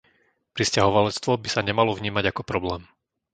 Prisťahovalectvo by sa nemalo vnímať ako problém.